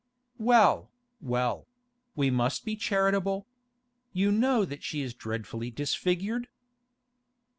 'Well, well; we must be charitable. You know that she is dreadfully disfigured?